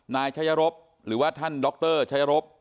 นายชัยรบหรือว่าท่านดรชัยรบ